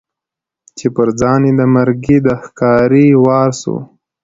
چي پر ځان یې د مرګي د ښکاري وار سو